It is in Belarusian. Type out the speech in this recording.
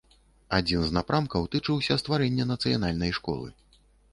Адзін з напрамкаў тычыўся стварэння нацыянальнай школы.